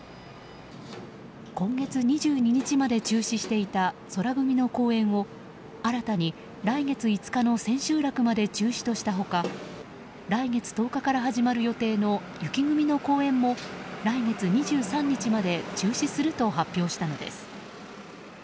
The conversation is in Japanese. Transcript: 今月２２日まで中止していた宙組の公演を新たに来月５日の千秋楽まで中止とした他来月１０日から始まる予定の雪組の公演も来月２３日まで中止すると発表したのです。